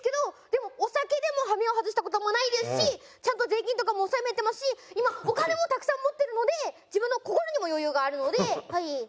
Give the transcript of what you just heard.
でもお酒でも羽目を外した事もないですしちゃんと税金とかも納めてますし今お金もたくさん持ってるので自分の心にも余裕があるのではい。